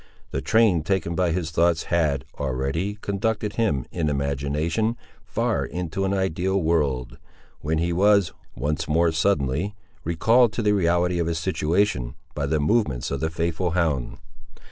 The train taken by his thoughts had, already, conducted him, in imagination, far into an ideal world, when he was, once more suddenly, recalled to the reality of his situation, by the movements of the faithful hound.